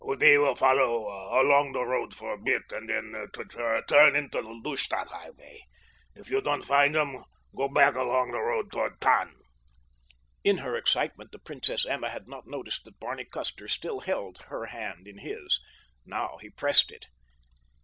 "We will follow along this road for a bit and then turn into the Lustadt highway. If you don't find them go back along the road toward Tann." In her excitement the Princess Emma had not noticed that Barney Custer still held her hand in his. Now he pressed it.